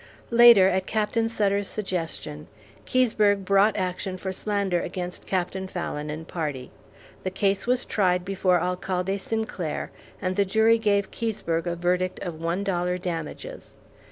Later, at Captain Sutter's suggestion, Keseberg brought action for slander against Captain Fallon and party. The case was tried before Alcalde Sinclair, and the jury gave Keseberg a verdict of one dollar damages.